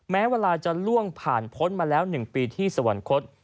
แม้เวลาจะล่วงผ่านพ้นมาแล้ว๑ปีที่สวรรคต